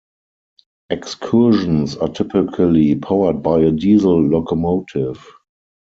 Excursions are typically powered by a diesel locomotive.